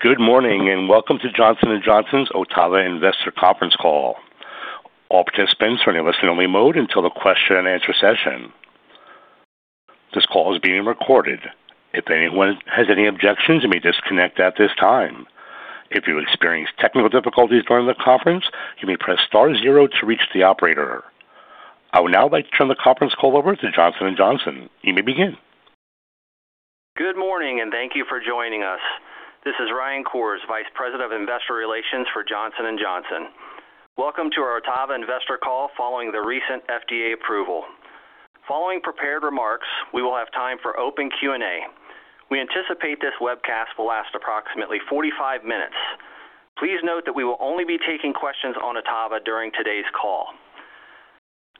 Good morning, and welcome to Johnson & Johnson's OTTAVA Investor Conference call. All participants are in a listen-only mode until the question-and-answer session. This call is being recorded. If anyone has any objections, you may disconnect at this time. If you experience technical difficulties during the conference, you may press star zero to reach the operator. I would now like to turn the conference call over to Johnson & Johnson. You may begin. Good morning, and thank you for joining us. This is Ryan Koors, Vice President of Investor Relations for Johnson & Johnson. Welcome to our OTTAVA investor call following the recent FDA approval. Following prepared remarks, we will have time for open Q&A. We anticipate this webcast will last approximately 45 minutes. Please note that we will only be taking questions on OTTAVA during today's call.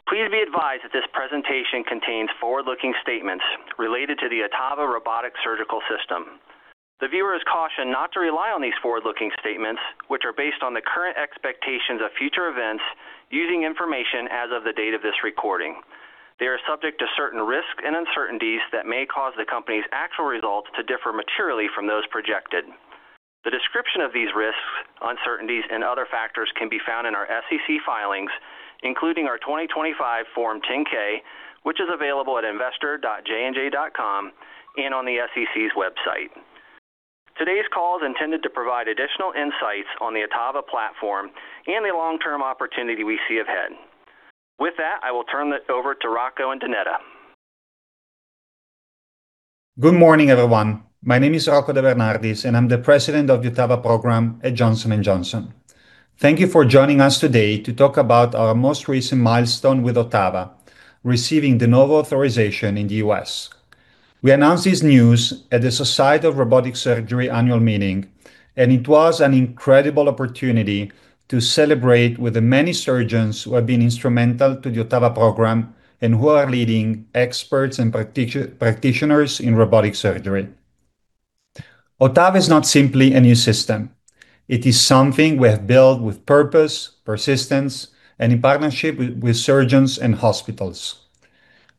Please be advised that this presentation contains forward-looking statements related to the OTTAVA robotic surgical system. The viewer is cautioned not to rely on these forward-looking statements, which are based on the current expectations of future events using information as of the date of this recording. They are subject to certain risks and uncertainties that may cause the company's actual results to differ materially from those projected. The description of these risks, uncertainties and other factors can be found in our SEC filings, including our 2025 Form 10-K, which is available at investor.jnj.com and on the SEC's website. Today's call is intended to provide additional insights on the OTTAVA platform and the long-term opportunity we see ahead. With that, I will turn it over to Rocco and to Neda. Good morning, everyone. My name is Rocco De Bernardis, and I'm the President of the OTTAVA program at Johnson & Johnson. Thank you for joining us today to talk about our most recent milestone with OTTAVA, receiving De Novo authorization in the U.S. We announced this news at the Society of Robotic Surgery annual meeting, and it was an incredible opportunity to celebrate with the many surgeons who have been instrumental to the OTTAVA program and who are leading experts and practitioners in robotic surgery. OTTAVA is not simply a new system. It is something we have built with purpose, persistence, and in partnership with surgeons and hospitals.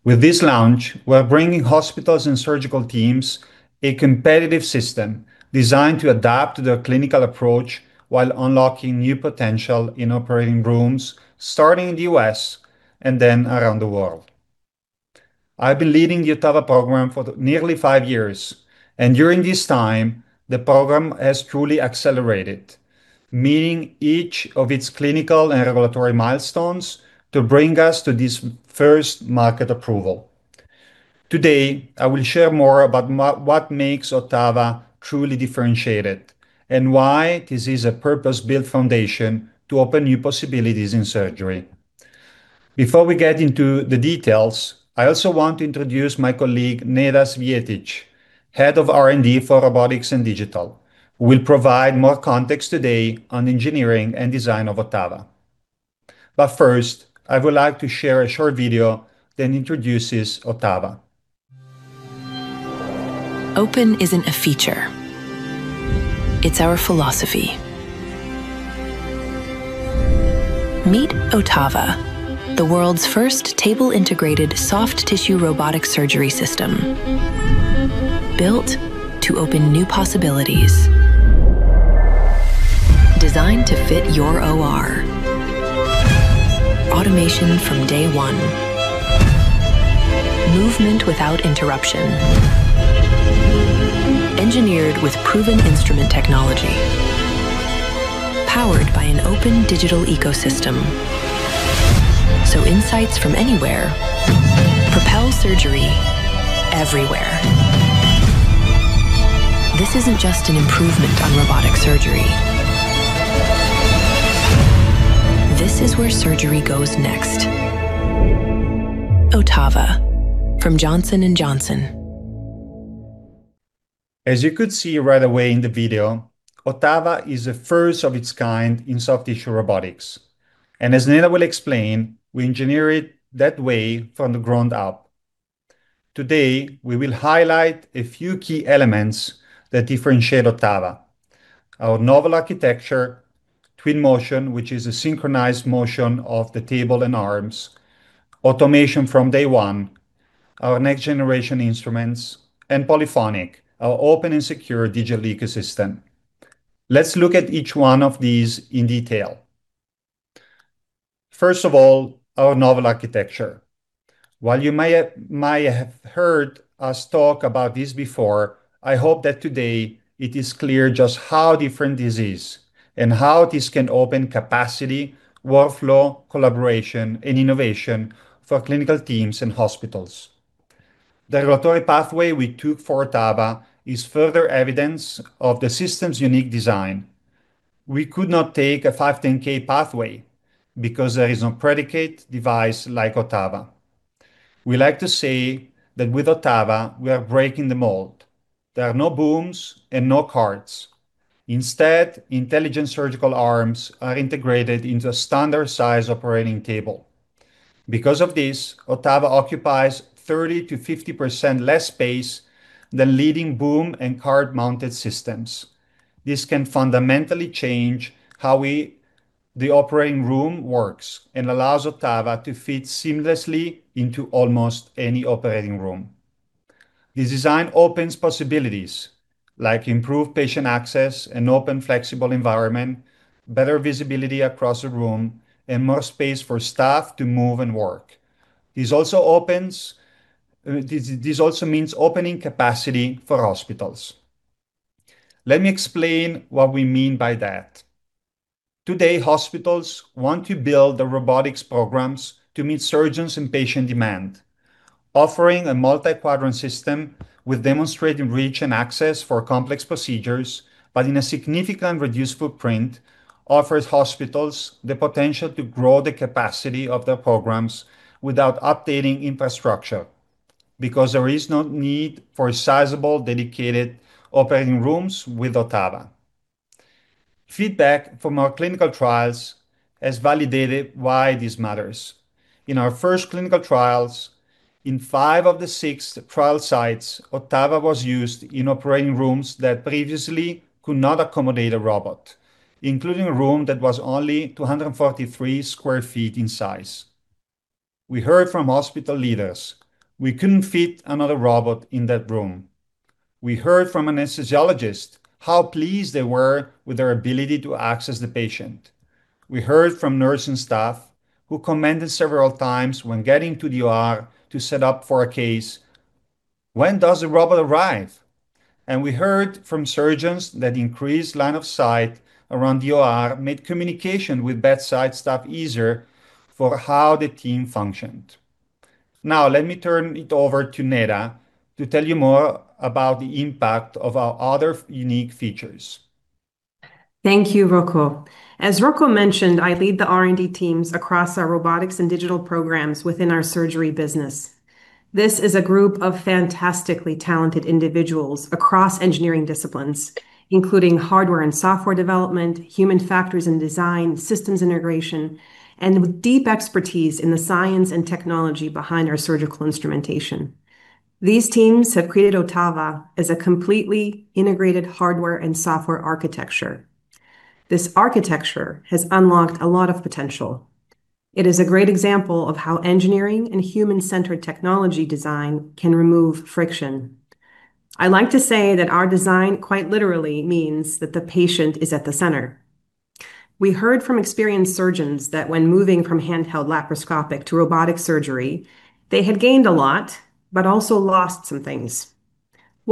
With this launch, we're bringing hospitals and surgical teams a competitive system designed to adapt to their clinical approach while unlocking new potential in operating rooms, starting in the U.S. and then around the world. I've been leading the OTTAVA program for nearly five years, and during this time, the program has truly accelerated, meeting each of its clinical and regulatory milestones to bring us to this first market approval. Today, I will share more about what makes OTTAVA truly differentiated and why this is a purpose-built foundation to open new possibilities in surgery. Before we get into the details, I also want to introduce my colleague, Neda Cvijetic, Head of R&D for Robotics and Digital, who will provide more context today on the engineering and design of OTTAVA. First, I would like to share a short video that introduces OTTAVA. Open isn't a feature. It's our philosophy. Meet OTTAVA, the world's first table-integrated soft tissue robotic surgery system. Built to open new possibilities. Designed to fit your OR. Automation from day one. Movement without interruption. Engineered with proven instrument technology. Powered by an open digital ecosystem. So insights from anywhere propel surgery everywhere. This isn't just an improvement on robotic surgery. This is where surgery goes next. OTTAVA, from Johnson & Johnson. As you could see right away in the video, OTTAVA is the first of its kind in soft tissue robotics. As Neda will explain, we engineer it that way from the ground up. Today, we will highlight a few key elements that differentiate OTTAVA. Our novel architecture, Twin Motion, which is a synchronized motion of the table and arms, automation from day one, our next-generation instruments, and Polyphonic, our open and secure digital ecosystem. Let's look at each one of these in detail. First of all, our novel architecture. While you might have heard us talk about this before, I hope that today it is clear just how different this is and how this can open capacity, workflow, collaboration, and innovation for clinical teams and hospitals. The regulatory pathway we took for OTTAVA is further evidence of the system's unique design. We could not take a 510(k) pathway because there is no predicate device like OTTAVA. We like to say that with OTTAVA, we are breaking the mold. There are no booms and no carts. Instead, intelligent surgical arms are integrated into a standard-size operating table. Because of this, OTTAVA occupies 30%-50% less space than leading boom and cart-mounted systems. This can fundamentally change how the operating room works and allows OTTAVA to fit seamlessly into almost any operating room. This design opens possibilities like improved patient access, an open, flexible environment, better visibility across the room, and more space for staff to move and work. This also means opening capacity for hospitals. Let me explain what we mean by that. Today, hospitals want to build the robotics programs to meet surgeons and patient demand. Offering a multi-quadrant system with demonstrated reach and access for complex procedures, but in a significant reduced footprint, offers hospitals the potential to grow the capacity of their programs without updating infrastructure, because there is no need for sizable, dedicated operating rooms with OTTAVA. Feedback from our clinical trials has validated why this matters. In our first clinical trials, in five of the six trial sites, OTTAVA was used in operating rooms that previously could not accommodate a robot, including a room that was only 243 sq ft in size. We heard from hospital leaders, "We couldn't fit another robot in that room." We heard from anesthesiologists how pleased they were with their ability to access the patient. We heard from nursing staff, who commented several times when getting to the OR to set up for a case, "When does the robot arrive?" We heard from surgeons that increased line of sight around the OR made communication with bedside staff easier for how the team functioned. Now, let me turn it over to Neda to tell you more about the impact of our other unique features. Thank you, Rocco. As Rocco mentioned, I lead the R&D teams across our robotics and digital programs within our surgery business. This is a group of fantastically talented individuals across engineering disciplines, including hardware and software development, human factors and design, systems integration, and with deep expertise in the science and technology behind our surgical instrumentation. These teams have created OTTAVA as a completely integrated hardware and software architecture. This architecture has unlocked a lot of potential. It is a great example of how engineering and human-centered technology design can remove friction. I like to say that our design quite literally means that the patient is at the center. We heard from experienced surgeons that when moving from handheld laparoscopic to robotic surgery, they had gained a lot, but also lost some things.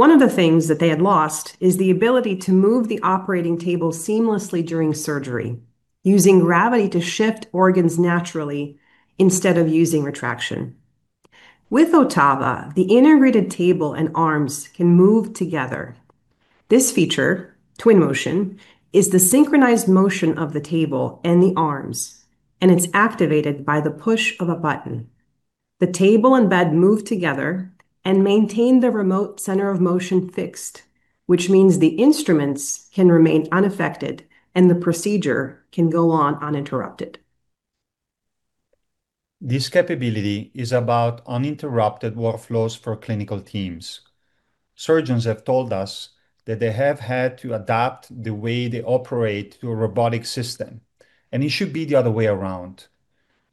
One of the things that they had lost is the ability to move the operating table seamlessly during surgery, using gravity to shift organs naturally instead of using retraction. With OTTAVA, the integrated table and arms can move together. This feature, Twin Motion, is the synchronized motion of the table and the arms, and it's activated by the push of a button. The table and bed move together and maintain the remote center of motion fixed, which means the instruments can remain unaffected, and the procedure can go on uninterrupted. This capability is about uninterrupted workflows for clinical teams. Surgeons have told us that they have had to adapt the way they operate to a robotic system, and it should be the other way around.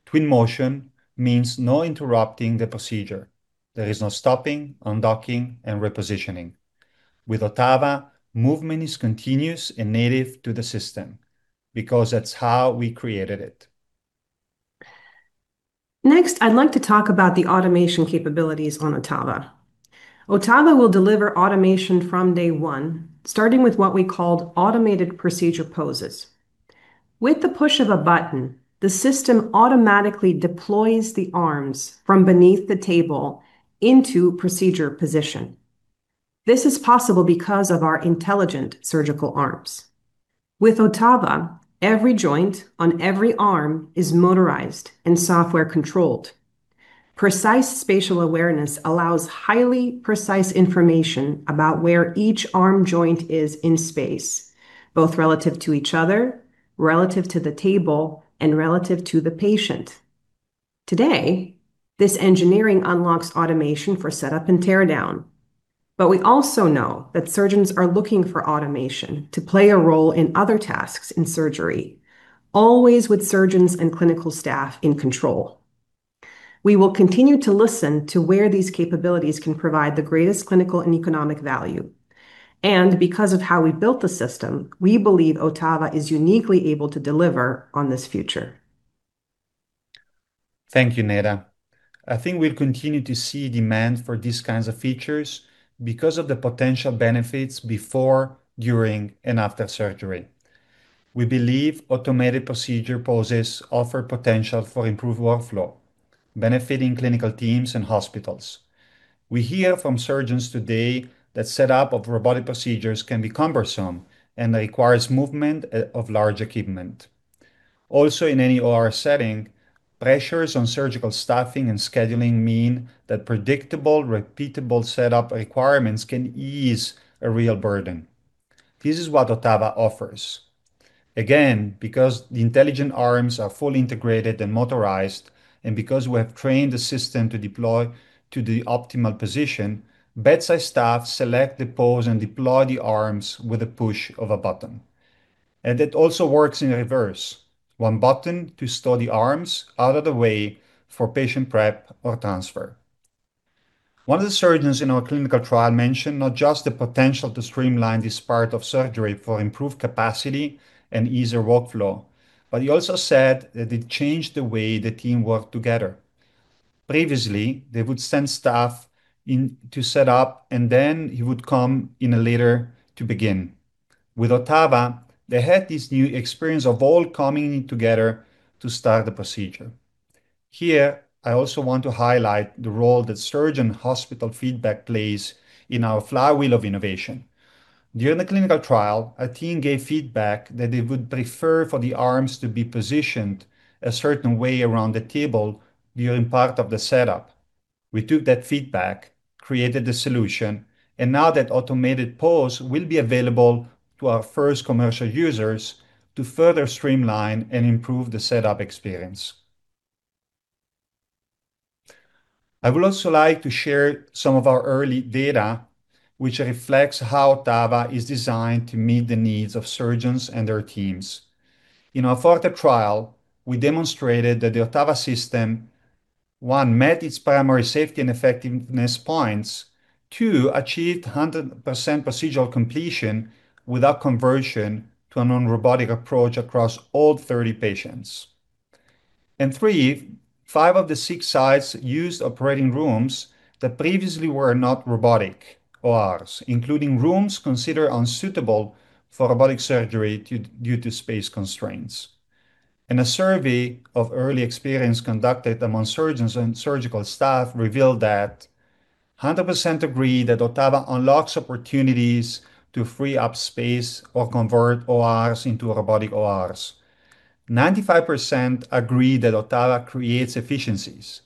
Twin Motion means no interrupting the procedure. There is no stopping, undocking, and repositioning. With OTTAVA, movement is continuous and native to the system because that's how we created it. Next, I'd like to talk about the automation capabilities on OTTAVA. OTTAVA will deliver automation from day one, starting with what we called automated procedure poses. With the push of a button, the system automatically deploys the arms from beneath the table into procedure position. This is possible because of our intelligent surgical arms. With OTTAVA, every joint on every arm is motorized and software-controlled. Precise spatial awareness allows highly precise information about where each arm joint is in space, both relative to each other, relative to the table, and relative to the patient. Today, this engineering unlocks automation for setup and tear down. We also know that surgeons are looking for automation to play a role in other tasks in surgery, always with surgeons and clinical staff in control. We will continue to listen to where these capabilities can provide the greatest clinical and economic value. Because of how we built the system, we believe OTTAVA is uniquely able to deliver on this future. Thank you, Neda. I think we'll continue to see demand for these kinds of features because of the potential benefits before, during, and after surgery. We believe automated procedure poses offer potential for improved workflow, benefiting clinical teams and hospitals. We hear from surgeons today that setup of robotic procedures can be cumbersome and requires movement of large equipment. Also, in any OR setting, pressures on surgical staffing and scheduling mean that predictable, repeatable setup requirements can ease a real burden. This is what OTTAVA offers. Again, because the intelligent arms are fully integrated and motorized, and because we have trained the system to deploy to the optimal position, bedside staff select the pose and deploy the arms with a push of a button. It also works in reverse. One button to store the arms out of the way for patient prep or transfer. One of the surgeons in our clinical trial mentioned not just the potential to streamline this part of surgery for improved capacity and easier workflow, but he also said that it changed the way the team worked together. Previously, they would send staff in to set up, and then he would come in later to begin. With OTTAVA, they had this new experience of all coming together to start the procedure. Here, I also want to highlight the role that surgeon hospital feedback plays in our flywheel of innovation. During the clinical trial, a team gave feedback that they would prefer for the arms to be positioned a certain way around the table during part of the setup. We took that feedback, created the solution, and now that automated procedure poses will be available to our first commercial users to further streamline and improve the setup experience. I would also like to share some of our early data, which reflects how OTTAVA is designed to meet the needs of surgeons and their teams. In our FORTE trial, we demonstrated that the OTTAVA system, one, met its primary safety and effectiveness points. Two, achieved 100% procedural completion without conversion to a non-robotic approach across all 30 patients. Three, five of the six sites used operating rooms that previously were not robotic ORs, including rooms considered unsuitable for robotic surgery due to space constraints. In a survey of early experience conducted among surgeons and surgical staff revealed that 100% agree that OTTAVA unlocks opportunities to free up space or convert ORs into robotic ORs. 95% agree that OTTAVA creates efficiencies,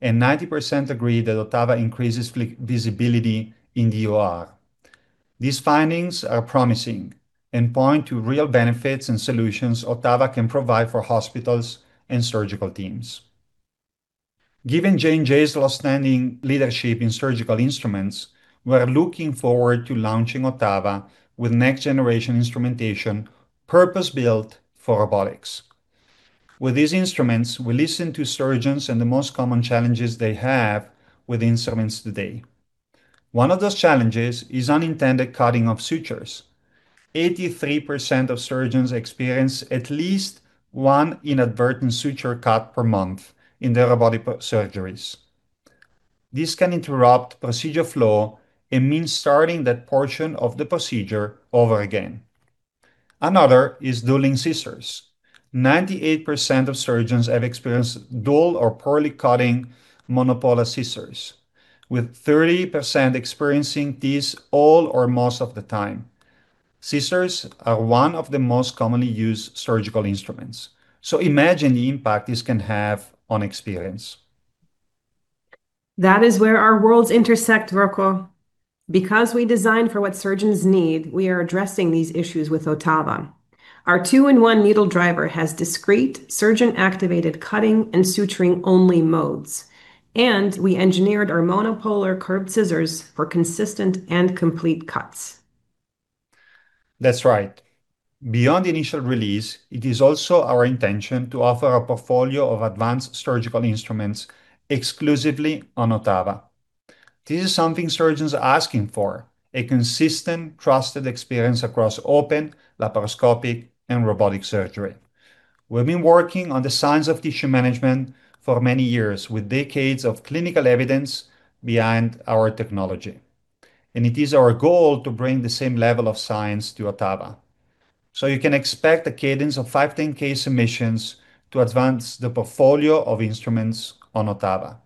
and 90% agree that OTTAVA increases visibility in the OR. These findings are promising and point to real benefits and solutions OTTAVA can provide for hospitals and surgical teams. Given J&J's longstanding leadership in surgical instruments, we are looking forward to launching OTTAVA with next-generation instrumentation, purpose-built for robotics. With these instruments, we listened to surgeons and the most common challenges they have with instruments today. One of those challenges is unintended cutting of sutures. 83% of surgeons experience at least one inadvertent suture cut per month in their robotic surgeries. This can interrupt procedure flow and means starting that portion of the procedure over again. Another is dulling scissors. 98% of surgeons have experienced dull or poorly cutting monopolar scissors, with 30% experiencing this all or most of the time. Scissors are one of the most commonly used surgical instruments. Imagine the impact this can have on experience. That is where our worlds intersect, Rocco. Because we design for what surgeons need, we are addressing these issues with OTTAVA. Our two-in-one needle driver has discrete surgeon-activated cutting and suturing-only modes. We engineered our monopolar curved scissors for consistent and complete cuts. That's right. Beyond the initial release, it is also our intention to offer a portfolio of advanced surgical instruments exclusively on OTTAVA. This is something surgeons are asking for: a consistent, trusted experience across open, laparoscopic, and robotic surgery. We've been working on the science of tissue management for many years with decades of clinical evidence behind our technology, and it is our goal to bring the same level of science to OTTAVA. You can expect a cadence of 510(k) submissions to advance the portfolio of instruments on OTTAVA.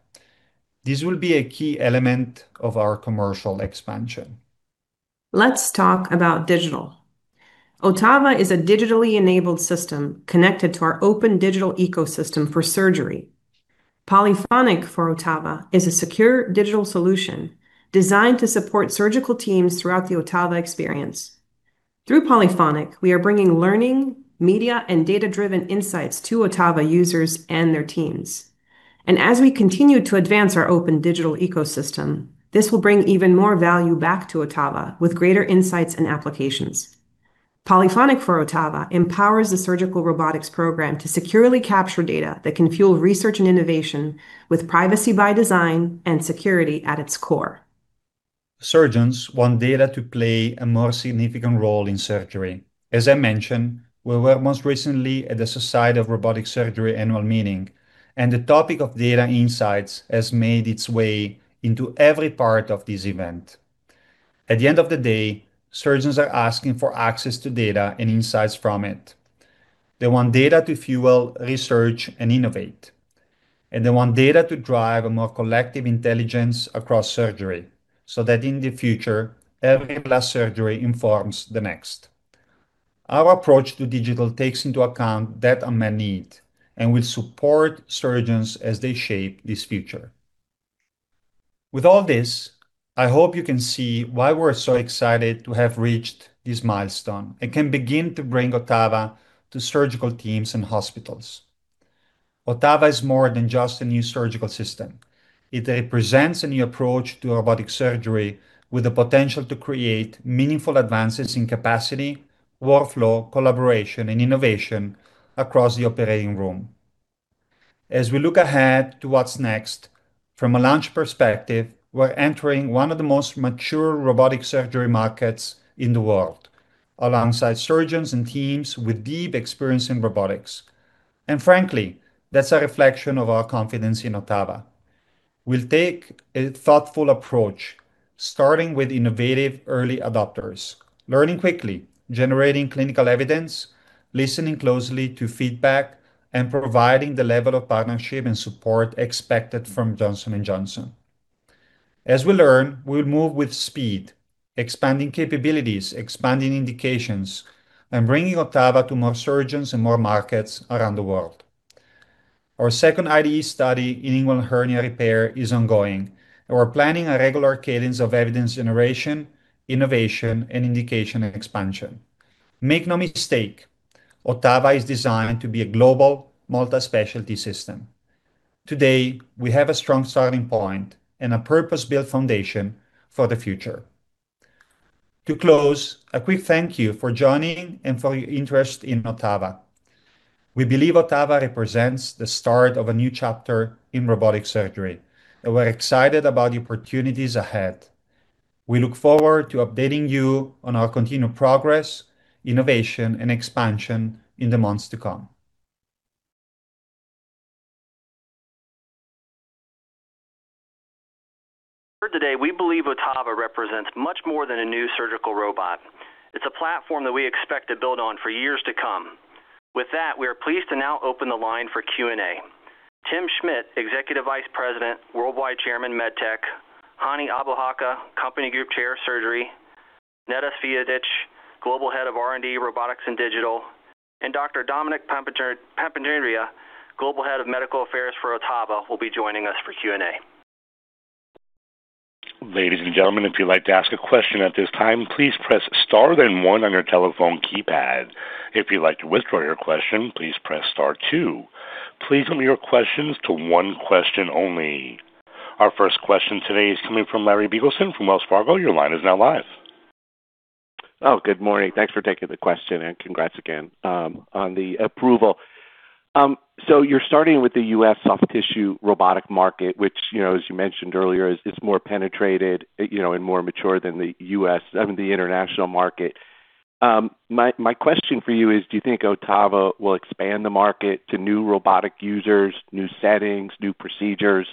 This will be a key element of our commercial expansion. Let's talk about digital. OTTAVA is a digitally enabled system connected to our open digital ecosystem for surgery. Polyphonic for OTTAVA is a secure digital solution designed to support surgical teams throughout the OTTAVA experience. Through Polyphonic, we are bringing learning, media, and data-driven insights to OTTAVA users and their teams. As we continue to advance our open digital ecosystem, this will bring even more value back to OTTAVA with greater insights and applications. Polyphonic for OTTAVA empowers the surgical robotics program to securely capture data that can fuel research and innovation with privacy by design and security at its core. Surgeons want data to play a more significant role in surgery. As I mentioned, we were most recently at the Society of Robotic Surgery annual meeting, and the topic of data insights has made its way into every part of this event. At the end of the day, surgeons are asking for access to data and insights from it. They want data to fuel research and innovate, and they want data to drive a more collective intelligence across surgery, so that in the future, every last surgery informs the next. Our approach to digital takes into account that unmet need and will support surgeons as they shape this future. With all this, I hope you can see why we're so excited to have reached this milestone and can begin to bring OTTAVA to surgical teams and hospitals. OTTAVA is more than just a new surgical system. It represents a new approach to robotic surgery with the potential to create meaningful advances in capacity workflow, collaboration, and innovation across the operating room. As we look ahead to what's next, from a launch perspective, we're entering one of the most mature robotic surgery markets in the world, alongside surgeons and teams with deep experience in robotics. Frankly, that's a reflection of our confidence in OTTAVA. We'll take a thoughtful approach, starting with innovative early adopters, learning quickly, generating clinical evidence, listening closely to feedback, and providing the level of partnership and support expected from Johnson & Johnson. As we learn, we'll move with speed, expanding capabilities, expanding indications, and bringing OTTAVA to more surgeons and more markets around the world. Our second IDE study in inguinal hernia repair is ongoing, and we're planning a regular cadence of evidence generation, innovation, and indication expansion. Make no mistake, OTTAVA is designed to be a global multi-specialty system. Today, we have a strong starting point and a purpose-built foundation for the future. To close, a quick thank you for joining and for your interest in OTTAVA. We believe OTTAVA represents the start of a new chapter in robotic surgery, and we're excited about the opportunities ahead. We look forward to updating you on our continued progress, innovation, and expansion in the months to come. For today, we believe OTTAVA represents much more than a new surgical robot. It's a platform that we expect to build on for years to come. With that, we are pleased to now open the line for Q&A. Tim Schmid, Executive Vice President, Worldwide Chairman, MedTech, Hani Abouhalka, Company Group Chair of Surgery, Neda Cvijetic, Global Head of R&D, Robotics and Digital, and Dr. Dominic Papandrea, Global Head of Medical Affairs for OTTAVA, will be joining us for Q&A. Ladies and gentlemen, if you'd like to ask a question at this time, please press star then one on your telephone keypad. If you'd like to withdraw your question, please press star two. Please limit your questions to one question only. Our first question today is coming from Larry Biegelsen from Wells Fargo. Your line is now live. Oh, good morning. Thanks for taking the question, congrats again on the approval. You're starting with the U.S. soft tissue robotic market, which, as you mentioned earlier, is more penetrated and more mature than the international market. My question for you is, do you think OTTAVA will expand the market to new robotic users, new settings, new procedures?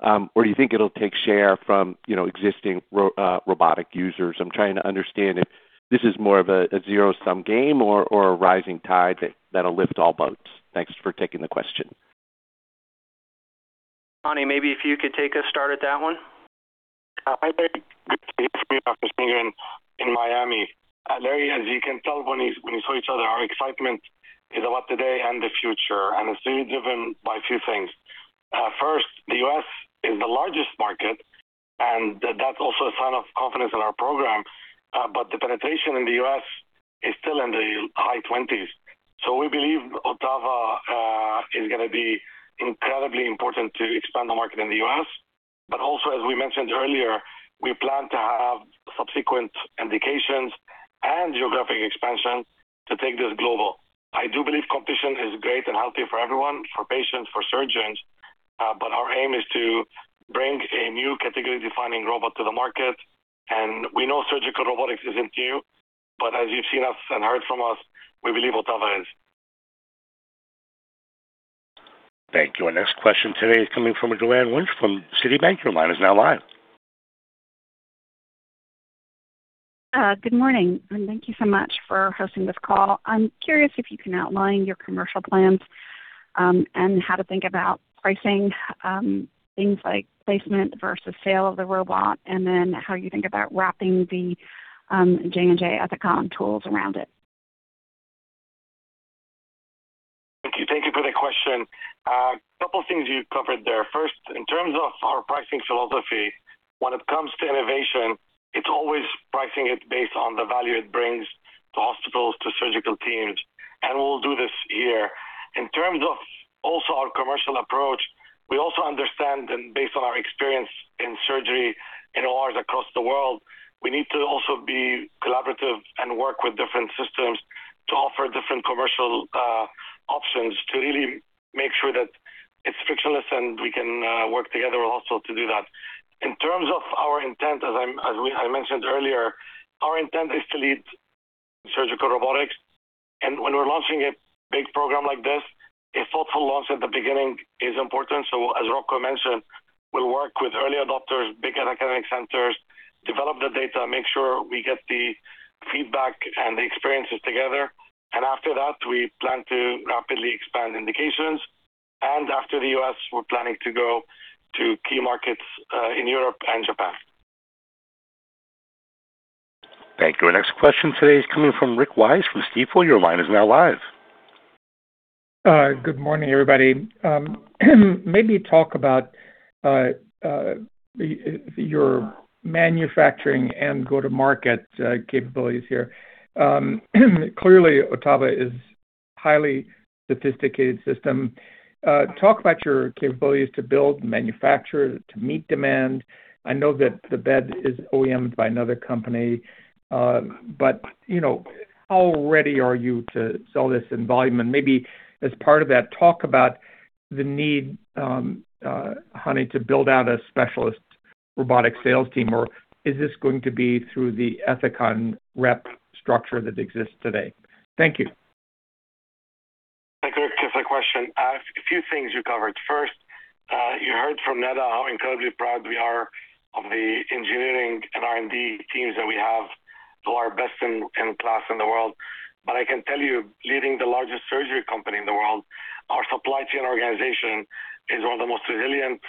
Do you think it'll take share from existing robotic users? I'm trying to understand if this is more of a zero-sum game or a rising tide that'll lift all boats. Thanks for taking the question. Hani, maybe if you could take a start at that one. Hi there. Good to hear from you, Dr. Biegelsen, in Miami. Larry, as you can tell when you saw each other, our excitement is about today and the future. It's really driven by a few things. First, the U.S. is the largest market. That's also a sign of confidence in our program. The penetration in the U.S. is still in the high 20s. We believe OTTAVA is going to be incredibly important to expand the market in the U.S. Also, as we mentioned earlier, we plan to have subsequent indications and geographic expansion to take this global. I do believe competition is great and healthy for everyone, for patients, for surgeons. Our aim is to bring a new category defining robot to the market. We know surgical robotics isn't new, but as you've seen us and heard from us, we believe OTTAVA is. Thank you. Our next question today is coming from Joanne Wuensch from Citibank. Your line is now live. Good morning. Thank you so much for hosting this call. I'm curious if you can outline your commercial plans, how to think about pricing, things like placement versus sale of the robot, then how you think about wrapping the J&J Ethicon tools around it. Thank you. Thank you for the question. A couple of things you covered there. First, in terms of our pricing philosophy, when it comes to innovation, it's always pricing it based on the value it brings to hospitals, to surgical teams, and we'll do this here. In terms of also our commercial approach, we also understand and based on our experience in surgery in ORs across the world, we need to also be collaborative and work with different systems to offer different commercial options to really make sure that it's frictionless, and we can work together also to do that. In terms of our intent, as I mentioned earlier, our intent is to lead surgical robotics. When we're launching a big program like this, a thoughtful launch at the beginning is important. As Rocco mentioned, we'll work with early adopters, big academic centers, develop the data, make sure we get the feedback and the experiences together. After that, we plan to rapidly expand indications. After the U.S., we're planning to go to key markets in Europe and Japan. Thank you. Our next question today is coming from Rick Wise from Stifel. Your line is now live. Good morning, everybody. Maybe talk about your manufacturing and go-to-market capabilities here. Clearly, OTTAVA is highly sophisticated system. Talk about your capabilities to build, manufacture, to meet demand. I know that the bed is OEM-ed by another company. How ready are you to sell this in volume? Maybe as part of that, talk about the need, Hani, to build out a specialist robotic sales team. Is this going to be through the Ethicon rep structure that exists today? Thank you. Thank you, Rick, for the question. A few things you covered. First, you heard from Neda how incredibly proud we are of the engineering and R&D teams that we have, who are best in class in the world. I can tell you, leading the largest surgery company in the world, our supply chain organization is one of the most resilient,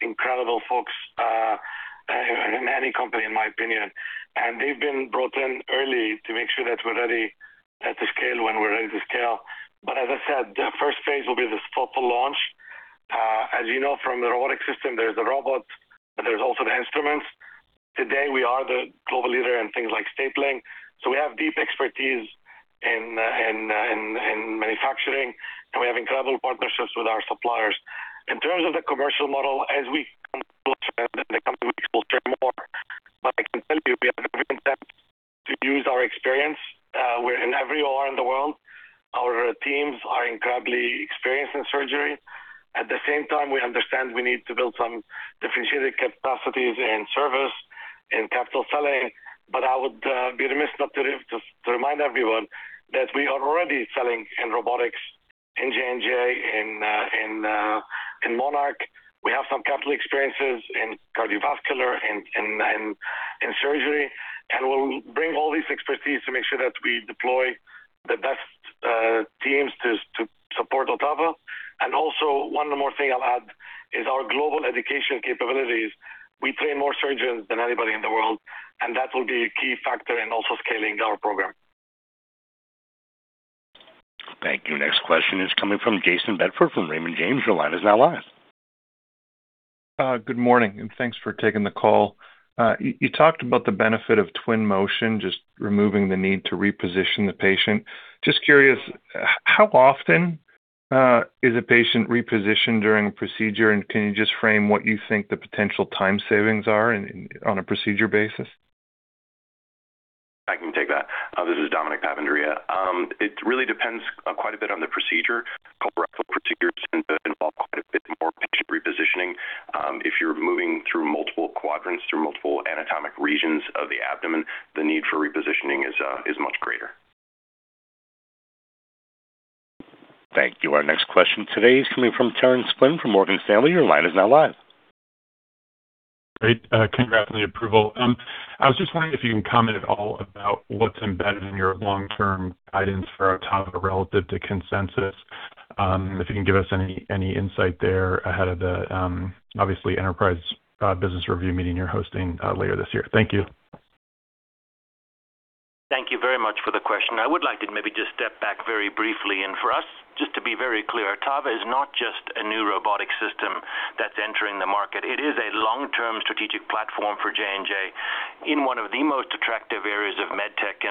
incredible folks in any company, in my opinion. They've been brought in early to make sure that we're ready at the scale, when we're ready to scale. As I said, the first phase will be the soft launch. As you know, from the robotic system, there's the robot, but there's also the instruments. Today, we are the global leader in things like stapling, so we have deep expertise in manufacturing, and we have incredible partnerships with our suppliers. In terms of the commercial model, as we come to in the coming weeks, we'll share more. I can tell you, we have every intent to use our experience. We're in every OR in the world. Our teams are incredibly experienced in surgery. At the same time, we understand we need to build some differentiated capacities in service, in capital selling. I would be remiss not to remind everyone that we are already selling in robotics in J&J, in MONARCH. We have some capital experiences in cardiovascular and in surgery, and we'll bring all this expertise to make sure that we deploy the best teams to support OTTAVA. Also, one more thing I'll add is our global education capabilities. We train more surgeons than anybody in the world, and that will be a key factor in also scaling our program. Thank you. Next question is coming from Jayson Bedford from Raymond James. Your line is now live. Good morning. Thanks for taking the call. You talked about the benefit of Twin Motion, just removing the need to reposition the patient. Just curious, how often is a patient repositioned during a procedure, and can you just frame what you think the potential time savings are on a procedure basis? I can take that. This is Dominic Papandrea. It really depends quite a bit on the procedure. Laparoscopic procedures tend to involve quite a bit more patient repositioning. If you're moving through multiple quadrants, through multiple anatomic regions of the abdomen, the need for repositioning is much greater. Thank you. Our next question today is coming from Terence Flynn from Morgan Stanley. Your line is now live. Great. Congrats on the approval. I was just wondering if you can comment at all about what's embedded in your long-term guidance for OTTAVA relative to consensus. If you can give us any insight there ahead of the, obviously, Enterprise Business Review meeting you're hosting later this year. Thank you. Thank you very much for the question. I would like to maybe just step back very briefly. For us, just to be very clear, OTTAVA is not just a new robotic system that's entering the market. It is a long-term strategic platform for J&J in one of the most attractive areas of MedTech.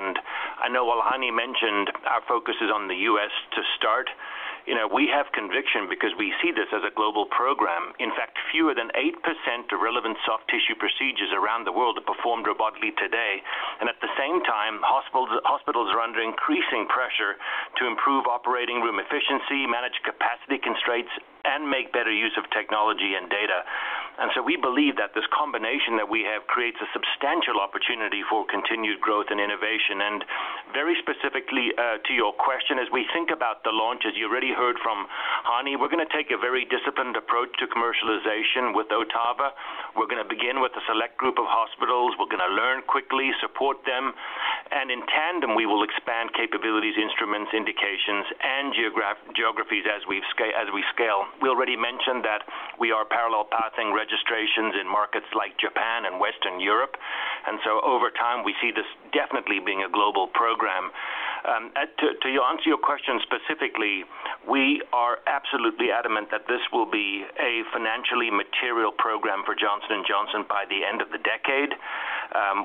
I know while Hani mentioned our focus is on the U.S. to start, we have conviction because we see this as a global program. In fact, fewer than 8% of relevant soft tissue procedures around the world are performed robotically today. At the same time, hospitals are under increasing pressure to improve operating room efficiency, manage capacity constraints, and make better use of technology and data. We believe that this combination that we have creates a substantial opportunity for continued growth and innovation. Very specifically, to your question, as we think about the launch, as you already heard from Hani, we're going to take a very disciplined approach to commercialization with OTTAVA. We're going to begin with a select group of hospitals. We're going to learn quickly, support them, and in tandem, we will expand capabilities, instruments, indications, and geographies as we scale. We already mentioned that we are parallel pathing registrations in markets like Japan and Western Europe. Over time, we see this definitely being a global program. To answer your question specifically, we are absolutely adamant that this will be a financially material program for Johnson & Johnson by the end of the decade.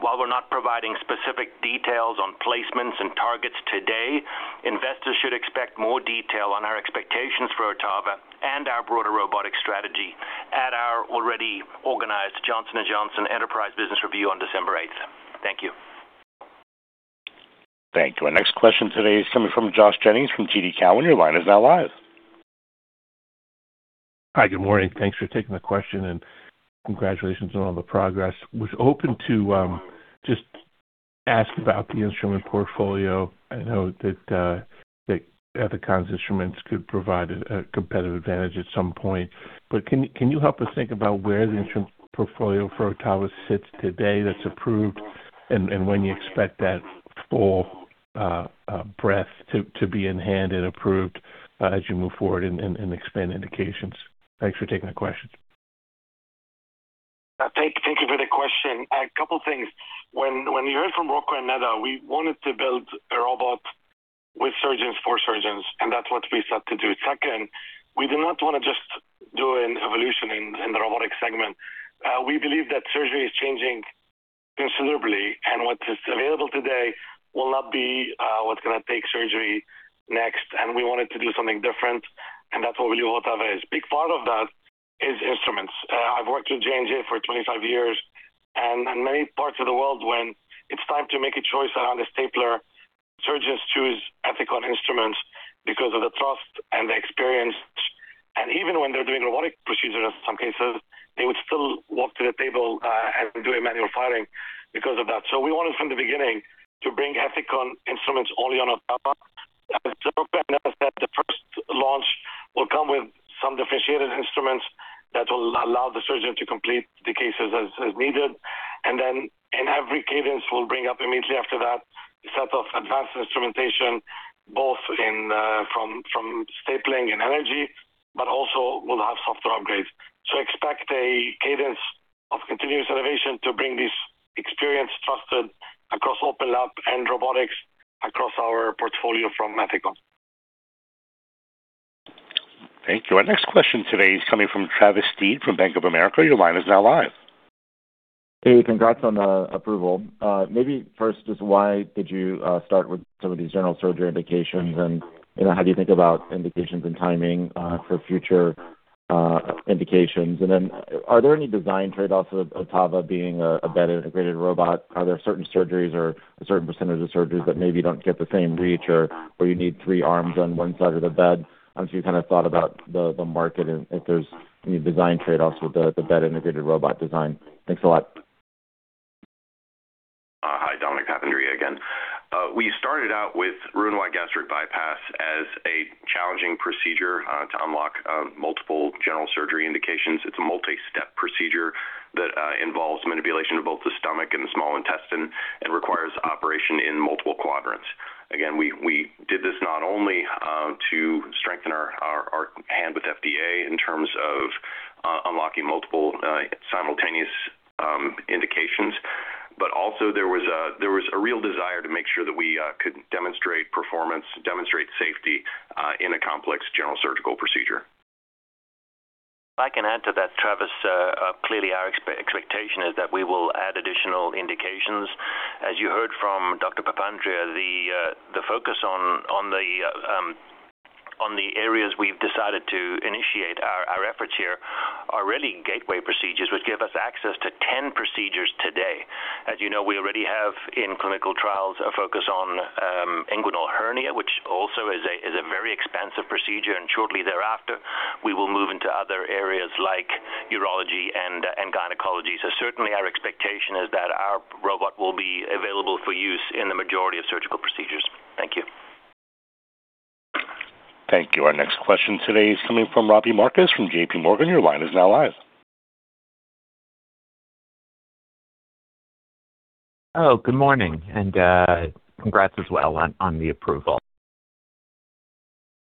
While we're not providing specific details on placements and targets today, investors should expect more detail on our expectations for OTTAVA and our broader robotic strategy at our already organized Johnson & Johnson Enterprise Business Review on December 8th. Thank you. Thank you. Our next question today is coming from Josh Jennings from TD Cowen. Your line is now live. Hi. Good morning. Thanks for taking the question, congratulations on all the progress. Was open to just ask about the instrument portfolio. I know that Ethicon's instruments could provide a competitive advantage at some point. Can you help us think about where the instrument portfolio for OTTAVA sits today that's approved, and when you expect that full breadth to be in hand and approved as you move forward and expand indications? Thanks for taking the question. Thank you for the question. A couple of things. When you heard from Rocco and Neda, we wanted to build a robot with surgeons, for surgeons. That's what we set out to do. Second, we do not want to evolution in the robotic segment. We believe that surgery is changing considerably, and what is available today will not be what's going to take surgery next. We wanted to do something different, and that's what we believe OTTAVA is. Big part of that is instruments. I've worked with J&J for 25 years, and in many parts of the world when it's time to make a choice around a stapler, surgeons choose Ethicon instruments because of the trust and the experience. Even when they're doing robotic procedure, in some cases, they would still walk to the table and do a manual firing because of that. We wanted from the beginning to bring Ethicon instruments only on OTTAVA. As Rocco announced that the first launch will come with some differentiated instruments that will allow the surgeon to complete the cases as needed. Then in every cadence, we'll bring up immediately after that a set of advanced instrumentation both from stapling and energy, but also we'll have software upgrades. Expect a cadence of continuous innovation to bring this experience trusted across open op and robotics across our portfolio from Ethicon. Thank you. Our next question today is coming from Travis Steed from Bank of America. Your line is now live. Hey. Congrats on the approval. Maybe first, just why did you start with some of these general surgery indications, and how do you think about indications and timing for future indications? Then are there any design trade-offs with OTTAVA being a bed-integrated robot? Are there certain surgeries or a certain percentage of surgeries that maybe don't get the same reach or you need three arms on one side of the bed? As you thought about the market and if there's any design trade-offs with the bed-integrated robot design. Thanks a lot. Hi, Dominic Papandrea again. We started out with Roux-en-Y gastric bypass as a challenging procedure to unlock multiple general surgery indications. It's a multi-step procedure that involves manipulation of both the stomach and the small intestine and requires operation in multiple quadrants. Again, we did this not only to strengthen our hand with FDA in terms of unlocking multiple simultaneous indications, but also there was a real desire to make sure that we could demonstrate performance, demonstrate safety in a complex general surgical procedure. If I can add to that, Travis, clearly our expectation is that we will add additional indications. As you heard from Dr. Papandrea, the focus on the areas we've decided to initiate our efforts here are really gateway procedures, which give us access to 10 procedures today. As you know, we already have in clinical trials a focus on inguinal hernia, which also is a very expansive procedure. Shortly thereafter, we will move into other areas like urology and gynecology. Certainly our expectation is that our robot will be available for use in the majority of surgical procedures. Thank you. Thank you. Our next question today is coming from Robbie Marcus from JPMorgan. Your line is now live. Good morning, and congrats as well on the approval.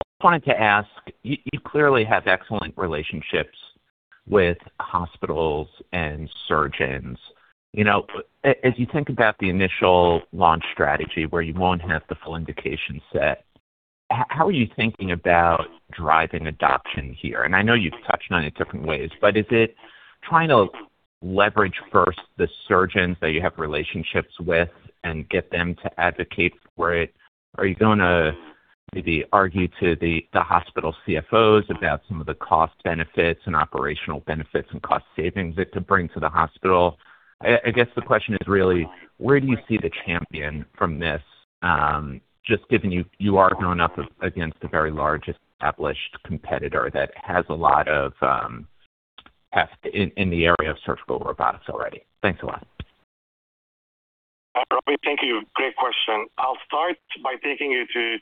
I just wanted to ask, you clearly have excellent relationships with hospitals and surgeons. As you think about the initial launch strategy where you won't have the full indication set, how are you thinking about driving adoption here? I know you've touched on it different ways, but is it trying to leverage first the surgeons that you have relationships with and get them to advocate for it? Are you going to maybe argue to the hospital CFOs about some of the cost benefits and operational benefits and cost savings it could bring to the hospital? I guess the question is really, where do you see the champion from this? Just given you are going up against a very large established competitor that has a lot of heft in the area of surgical robots already. Thanks a lot. Robbie, thank you. Great question. I'll start by taking you to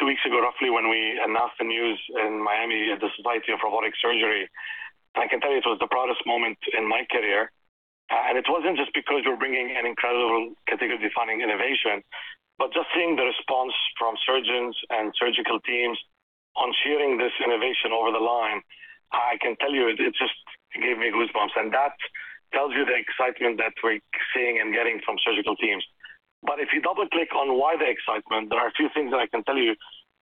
two weeks ago, roughly, when we announced the news in Miami at the Society of Robotic Surgery. I can tell you it was the proudest moment in my career. It wasn't just because we're bringing an incredible category-defining innovation, but just seeing the response from surgeons and surgical teams on sharing this innovation over the line, I can tell you, it just gave me goosebumps. That tells you the excitement that we're seeing and getting from surgical teams. If you double-click on why the excitement, there are a few things that I can tell you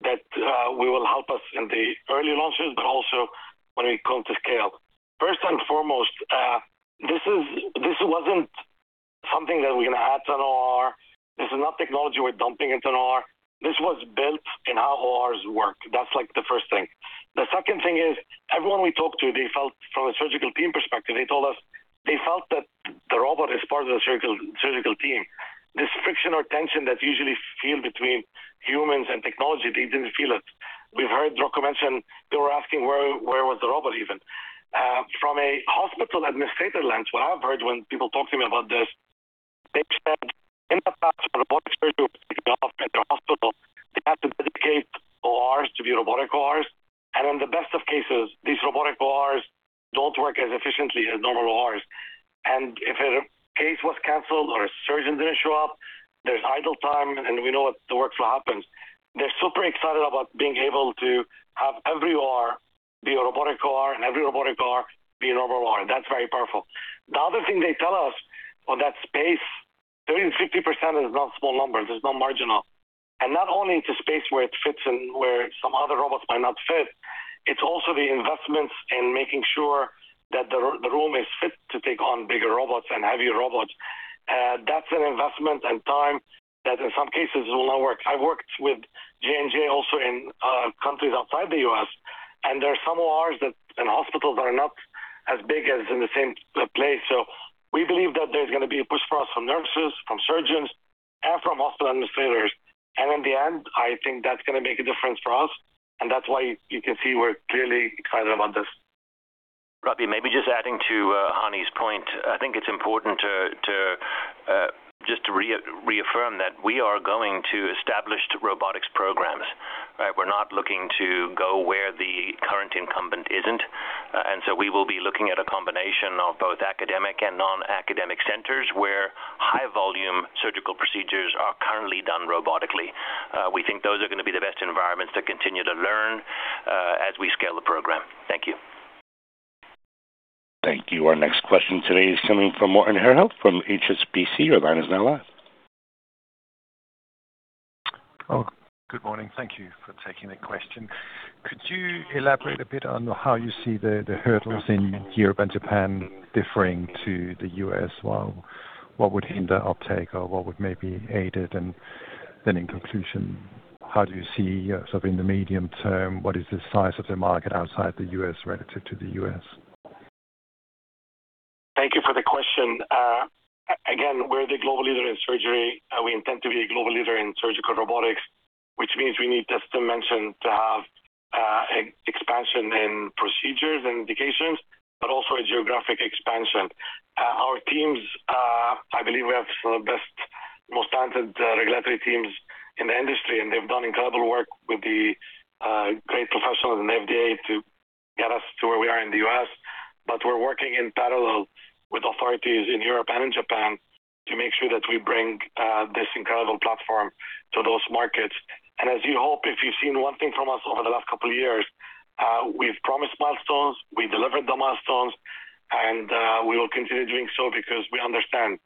that will help us in the early launches, but also when we come to scale. First and foremost, this wasn't something that we're going to add to an OR. This is not technology we're dumping into an OR. This was built in how ORs work. That's the first thing. The second thing is, everyone we talked to, they felt from a surgical team perspective, they told us they felt that the robot is part of the surgical team. This friction or tension that's usually feel between humans and technology, they didn't feel it. We've heard Rocco mention they were asking where was the robot even. From a hospital administrator lens, what I've heard when people talk to me about this, they've said in the past, when robotic surgery was developed at their hospital, they had to dedicate ORs to be robotic ORs. In the best of cases, these robotic ORs don't work as efficiently as normal ORs. If a case was canceled or a surgeon didn't show up, there's idle time, and we know what the workflow happens. They're super excited about being able to have every OR be a robotic OR and every robotic OR be a normal OR. That's very powerful. The other thing they tell us on that space 30%-50% is not a small number. It is not marginal. Not only into space where it fits and where some other robots might not fit, it's also the investments in making sure that the room is fit to take on bigger robots and heavier robots. That's an investment and time that in some cases will not work. I've worked with J&J also in countries outside the U.S., and there are some ORs and hospitals that are not as big as in the same place. We believe that there's going to be a push for us from nurses, from surgeons, and from hospital administrators. In the end, I think that's going to make a difference for us, and that's why you can see we're clearly excited about this. Robbie, maybe just adding to Hani's point. I think it's important just to reaffirm that we are going to established robotics programs. We're not looking to go where the current incumbent isn't. We will be looking at a combination of both academic and non-academic centers, where high-volume surgical procedures are currently done robotically. We think those are going to be the best environments to continue to learn as we scale the program. Thank you. Thank you. Our next question today is coming from Morten Herholdt from HSBC. Your line is now live. Good morning. Thank you for taking the question. Could you elaborate a bit on how you see the hurdles in Europe and Japan differing to the U.S.? What would hinder uptake or what would maybe aid it? In conclusion, how do you see sort of in the medium term, what is the size of the market outside the U.S. relative to the U.S.? Thank you for the question. We're the global leader in surgery. We intend to be a global leader in surgical robotics, which means we need, just to mention, to have expansion in procedures and indications, but also a geographic expansion. Our teams, I believe we have some of the best, most talented regulatory teams in the industry, and they've done incredible work with the great professionals in FDA to get us to where we are in the U.S. We're working in parallel with authorities in Europe and in Japan to make sure that we bring this incredible platform to those markets. As you hope, if you've seen one thing from us over the last couple of years, we've promised milestones, we've delivered the milestones, and we will continue doing so because we understand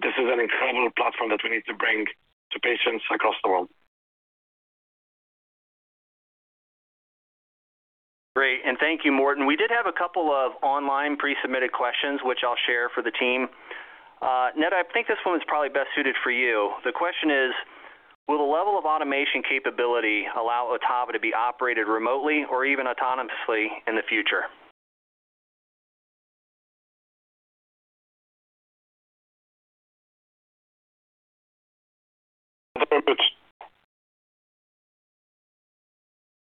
this is an incredible platform that we need to bring to patients across the world. Great. Thank you, Morten. We did have a couple of online pre-submitted questions, which I'll share for the team. Neda, I think this one is probably best suited for you. The question is, will the level of automation capability allow OTTAVA to be operated remotely or even autonomously in the future?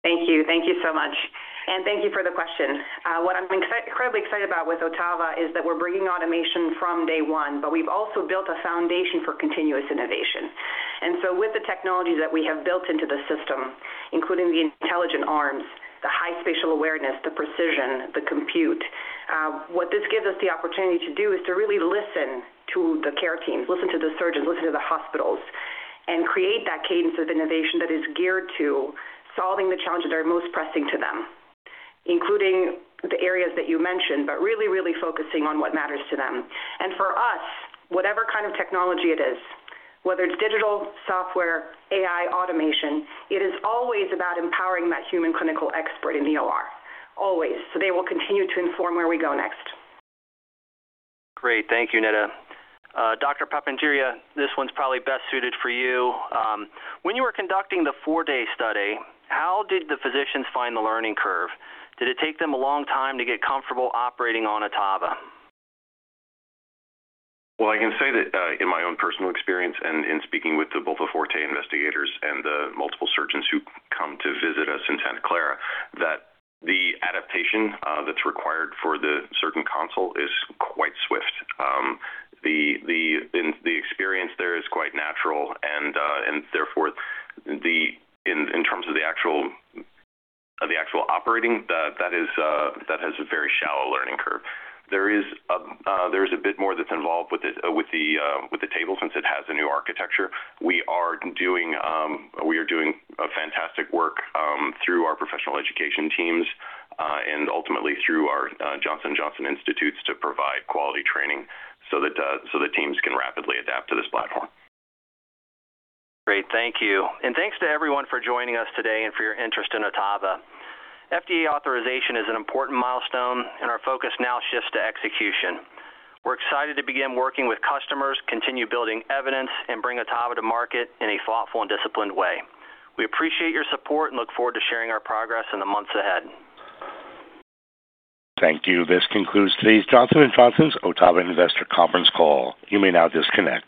Thank you. Thank you so much, and thank you for the question. What I'm incredibly excited about with OTTAVA is that we're bringing automation from day one, but we've also built a foundation for continuous innovation. With the technologies that we have built into the system, including the intelligent arms, the high spatial awareness, the precision, the compute, what this gives us the opportunity to do is to really listen to the care teams, listen to the surgeons, listen to the hospitals, and create that cadence of innovation that is geared to solving the challenges that are most pressing to them, including the areas that you mentioned, but really focusing on what matters to them. For us, whatever kind of technology it is, whether it's digital, software, AI, automation, it is always about empowering that human clinical expert in the OR, always. They will continue to inform where we go next. Great. Thank you, Neda. Dr. Papandrea, this one's probably best suited for you. When you were conducting the FORTE study, how did the physicians find the learning curve? Did it take them a long time to get comfortable operating on OTTAVA? Well, I can say that in my own personal experience and in speaking with both the FORTE investigators and the multiple surgeons who come to visit us in Santa Clara, that the adaptation that's required for the surgeon console is quite swift. The experience there is quite natural, and therefore, in terms of the actual operating, that has a very shallow learning curve. There is a bit more that's involved with the table since it has a new architecture. We are doing fantastic work through our professional education teams, and ultimately through our Johnson & Johnson Institute to provide quality training so the teams can rapidly adapt to this platform. Great. Thank you. Thanks to everyone for joining us today and for your interest in OTTAVA. FDA authorization is an important milestone, and our focus now shifts to execution. We're excited to begin working with customers, continue building evidence, and bring OTTAVA to market in a thoughtful and disciplined way. We appreciate your support and look forward to sharing our progress in the months ahead. Thank you. This concludes today's Johnson & Johnson's OTTAVA investor conference call. You may now disconnect.